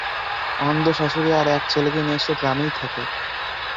অন্ধ শাশুড়ি আর এক ছেলেকে নিয়ে সে গ্রামেই থাকে।